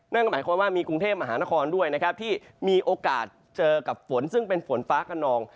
นั่นก็หมายความว่ามีกรุงเทพมหานครด้วยนะครับที่มีโอกาสเจอกับฝนซึ่งเป็นฝนฟ้ากระนอง